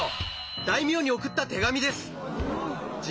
大名に送った手紙です！